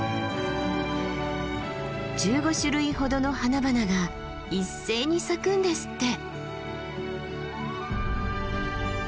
１５種類ほどの花々が一斉に咲くんですって。